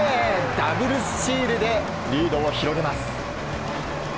ダブルスチールでリードを広げます。